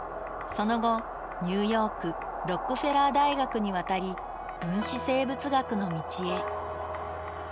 その後ニューヨークロックフェラー大学に渡り分子生物学の道へ。